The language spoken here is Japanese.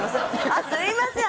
あっすいません。